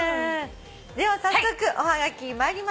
では早速おはがき参りましょう。